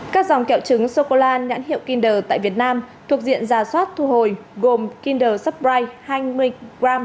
các dòng kẹo trứng sô cô la nhãn hiệu kinder tại việt nam thuộc diện giả soát thu hồi gồm kinder supprite hai mươi g